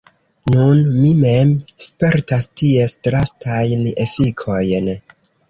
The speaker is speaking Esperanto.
Nun mi mem spertas ties drastajn efikojn.